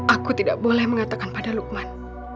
aku tidak boleh mengatakan pada lukman